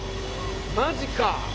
マジか。